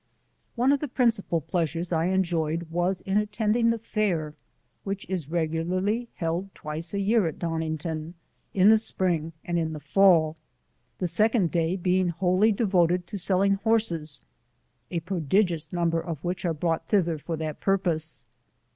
One of the principal pleasures I enjoyed was ia attending the fair, which is regularly held twice a year at Donniogton, in the spring and in the fall, the second day being wholly devoted to selling horses, a prodigious number of which are^brought thither for that purpose.